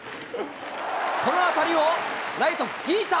この当たりをライト、ギータ。